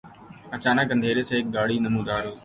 اچانک اندھیرے میں سے ایک گاڑی نمودار ہوئی